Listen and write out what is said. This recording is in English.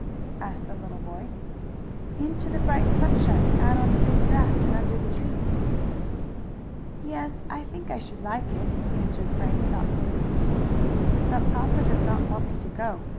asked the little boy. "Into the bright sunshine, out on the green grass and under the trees." "Yes, I think I should like it," answered Frank thoughtfully. "But papa does not want me to go.